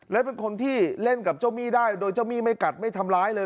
และเป็นคนที่เล่นกับเจ้าหนี้ได้โดยเจ้าหนี้ไม่กัดไม่ทำร้ายเลย